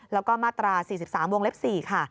แล้วก็มาตรา๔๓วงเล็บ๔ค่ะ